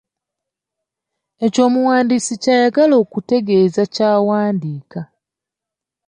Ekyo omuwandiisi ky’ayagala okutegeeza ky’awandiika.